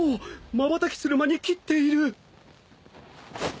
まばたきする間に斬っている。